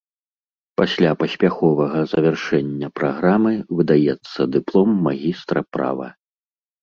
Пасля паспяховага завяршэння праграмы выдаецца дыплом магістра права.